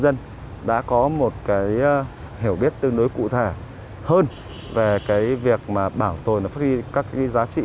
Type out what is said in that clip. dân đã có một cái hiểu biết tương đối cụ thể hơn về cái việc mà bảo tồn và phát huy các cái giá trị